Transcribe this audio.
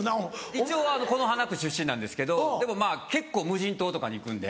一応此花区出身なんですけどでもまぁ結構無人島とかに行くんで。